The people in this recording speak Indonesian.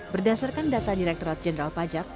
berdasarkan data direkturat jenderal pajak